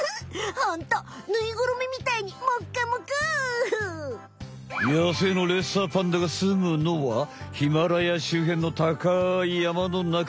ホントぬいぐるみみたいにモッコモコ！やせいのレッサーパンダがすむのはヒマラヤ周辺の高いやまのなか。